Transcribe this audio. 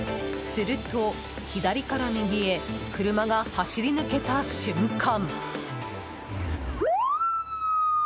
すると、左から右へ車が走り抜けた瞬間。